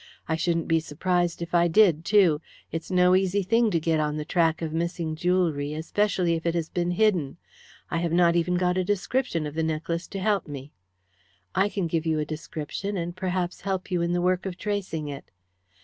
I shouldn't be surprised if I did, too. It's no easy thing to get on the track of missing jewellery, especially if it has been hidden. I have not even got a description of the necklace to help me." "I can give you a description, and perhaps help you in the work of tracing it."